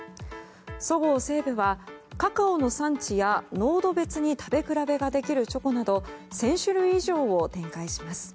そごう・西武はカカオの産地や濃度別に食べ比べができるチョコなど１０００種類以上を展開します。